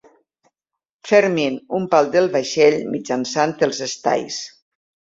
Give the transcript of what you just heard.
Fermin un pal del vaixell mitjançant els estais.